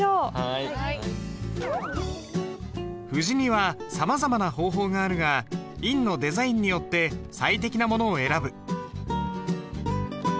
布字にはさまざまな方法があるが印のデザインによって最適なものを選ぶ。